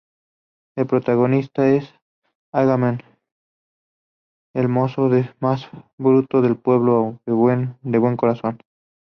El protagonista es Agamenón, el mozo más bruto del pueblo, aunque de buen corazón.